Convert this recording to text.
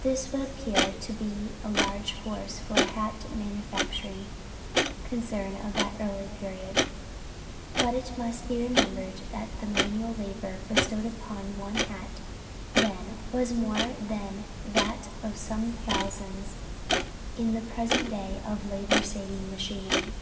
This would appear to be a large force for a hat manufacturing concern of that early period, but it must be remembered that the manual labor bestowed upon one hat then was more than that on some thousands in the present day of labor saving machinery.